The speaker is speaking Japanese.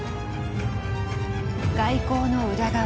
外交の裏側。